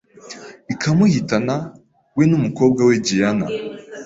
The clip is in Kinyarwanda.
ikamuhitana we n’umukobwa we Gianna